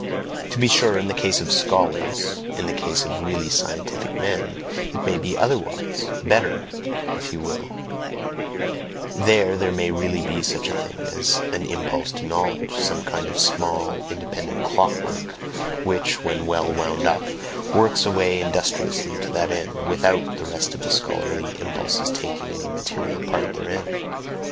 To be sure, in the case of scholars, in the case of really scientific men, it may be otherwise "better," if you will; there there may really be such a thing as an "impulse to knowledge," some kind of small, independent clock work, which, when well wound up, works away industriously to that end, WITHOUT the rest of the scholarly impulses taking any material part therein.